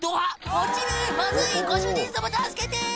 落ちるまずいご主人様助けて！」